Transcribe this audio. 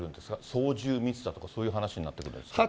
操縦ミスだとか、そういう話になってくるんですか。